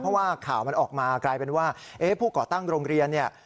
เพราะว่าข่าวมันออกมากลายเป็นว่าผู้ก่อตั้งโรงเรียนเนี่ย